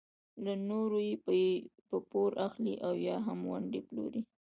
له نورو یې په پور اخلي او یا هم ونډې پلوري.